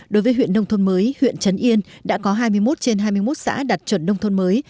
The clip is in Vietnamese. đối với huyện nông thôn mới huyện trấn yên đã có hai mươi một trên hai mươi một xã đạt chuẩn nông thôn mới